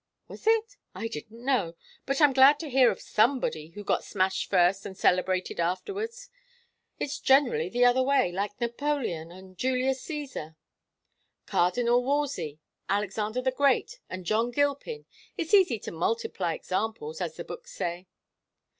'" "Was it? I didn't know. But I'm glad to hear of somebody who got smashed first and celebrated afterwards. It's generally the other way, like Napoleon and Julius Cæsar." "Cardinal Wolsey, Alexander the Great, and John Gilpin. It's easy to multiply examples, as the books say."